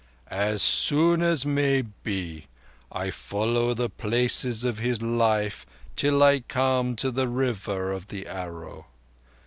"As soon as may be. I follow the places of His life till I come to the River of the Arrow.